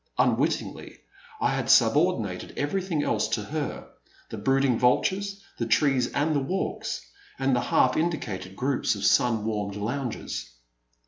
Unwittingly I had subordinated everything else to her, the brooding vultures, the trees and walks, and the half indicated groups of sun warmed loungers.